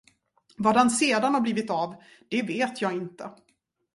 Var han sedan har blivit av, det vet jag inte.